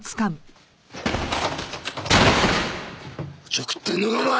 おちょくってんのかお前！